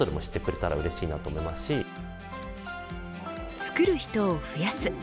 作る人を増やす。